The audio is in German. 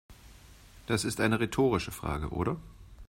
Das ist eine rhetorische Frage, oder?